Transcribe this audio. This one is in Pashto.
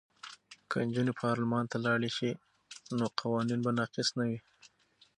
که نجونې پارلمان ته لاړې شي نو قوانین به ناقص نه وي.